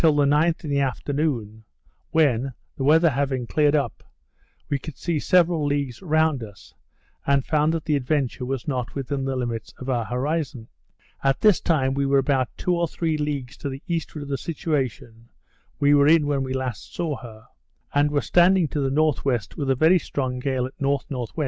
I therefore continued making short boards, and firing half hour guns, till the 9th in the afternoon, when, the weather having cleared up, we could see several leagues round us, and found that the Adventure was not within the limits of our horizon. At this time we were about two or three leagues to the eastward of the situation we were in when we last saw her; and were standing to the westward with a very strong gale at N.N.W.